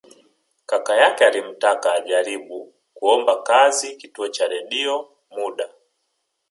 Kaka yake alimtaka ajaribu kuomba kazi Kituo cha Redio muda